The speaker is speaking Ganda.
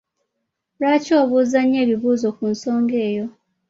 Lwaki obuuza nnyo ebibuuzo ku nsonga eyo?